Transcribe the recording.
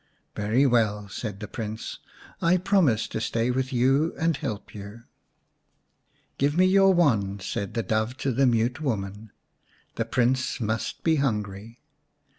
"Very well," said the Prince. "I promise to stay with you and help you." " Give me your wand," said the Dove to the Mute Woman. " The Prince must be hungry."